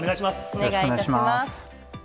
よろしくお願いします。